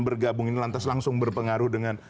bergabung ini lantas langsung berpengaruh dengan